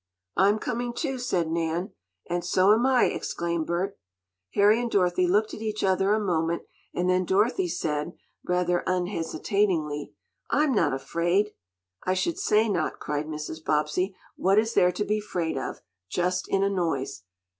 "I'm coming, too," said Nan. "And so am I!" exclaimed Bert. Harry and Dorothy looked at each other a moment, and then Dorothy said, rather unhesitatingly: "I'm not afraid!" "I should say not!" cried Mrs. Bobbsey. "What is there to be afraid of, just in a noise?"